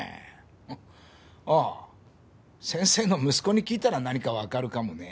ああ先生の息子に聞いたら何かわかるかもね。